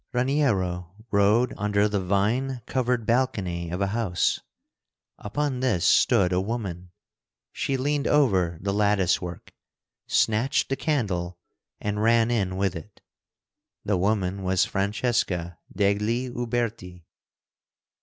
Raniero rode under the vine covered balcony of a house. Upon this stood a woman. She leaned over the lattice work, snatched the candle, and ran in with it. The woman was Francesca degli Uberti.